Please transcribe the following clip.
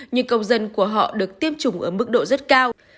nhưng công dân của họ được tiêm chủng ở mức độ rất cao